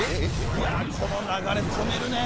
いやこの流れ止めるね！